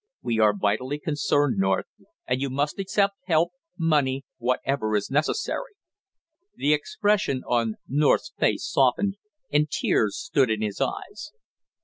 We are vitally concerned, North, and you must accept help money whatever is necessary!" The expression on North's face softened, and tears stood in his eyes.